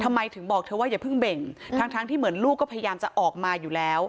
ทำไมถึงบอกเธอว่าอย่าเพิ่งเบ่งทั้งที่เหมือนลูกก็พยายามจะออกมาอยู่แล้ว